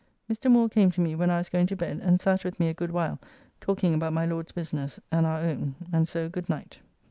Mr. Moore came to me when I was going to bed, and sat with me a good while talking about my Lord's business and our own and so good night.